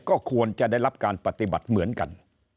ก็ควรจะได้รับการปฏิบัติเหมือนกัน